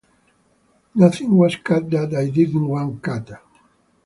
Nothing was cut that I didn't want cut.